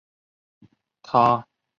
他在科学哲学领域颇具影响力。